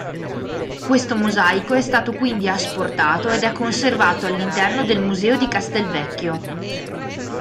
Questo mosaico è stato quindi asportato ed è conservato all'interno del museo di Castelvecchio.